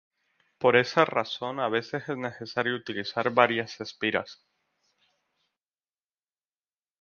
Por esa razón, a veces es necesario utilizar varias espiras.